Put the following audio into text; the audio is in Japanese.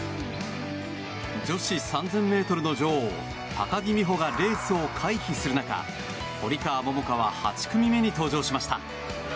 女子３０００ｍの女王高木美帆がレースを回避する中堀川桃香は８組目に登場しました。